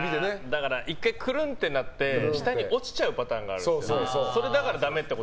だから１回くるんってなって下に落ちちゃうパターンがあるんですよ。